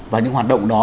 và những hoạt động đó